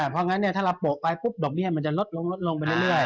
เพราะงั้นถ้าเราโปะไปปุ๊บดอกเบี้ยมันจะลดลงลดลงไปเรื่อย